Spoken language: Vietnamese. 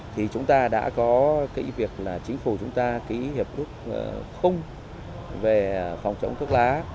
thì chúng ta đã có kỹ việc là chính phủ chúng ta kỹ hiệp lúc khung về phòng chống thuốc lá